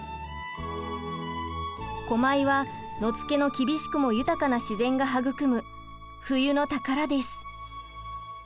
コマイは野付の厳しくも豊かな自然が育む冬の宝です。